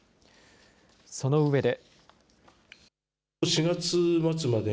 そのうえで。